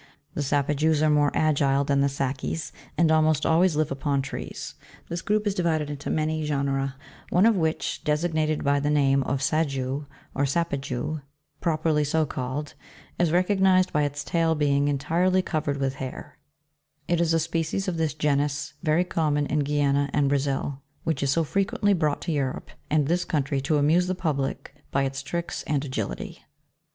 23. The SAPAJOUS are more agile than the Sakis, and almost always live upon trees ; this group is divided into many genera, one of which, designated by the name of SAJOU, or Sapajou, properly so called, is recognised by its tail being entirely covered with hair ; it is a species of this genus, very common in Guiana and Brazil, which is so frequently brought to Europe and this country, to amuse the public by its tricks and agility.